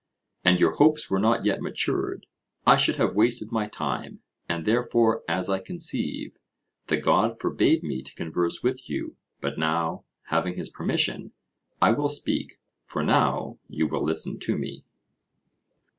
and your hopes were not yet matured, I should have wasted my time, and therefore, as I conceive, the God forbade me to converse with you; but now, having his permission, I will speak, for now you will listen to me.